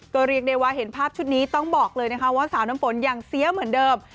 ก็เรียกได้ว่าเห็นภาพชุดนี้ต้องบอกเลยนะคะว่าสาวน้ำฝนยังเสียเหมือนเดิม